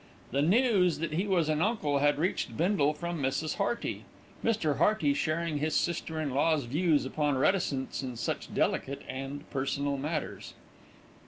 The news that he was an uncle had reached Bindle from Mrs. Hearty, Mr. Hearty sharing his sister in law's views upon reticence in such delicate and personal matters.